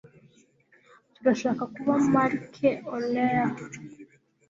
Turashaka kuba MarcAurèle